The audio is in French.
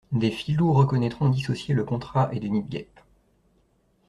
Des filous reconnaîtront dissocier le contrat et des nids de guêpes.